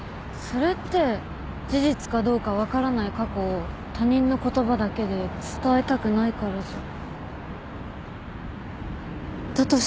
それって事実かどうか分からない過去を他人の言葉だけで伝えたくないからじゃ。